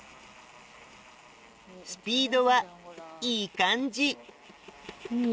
スピードはいい感じいい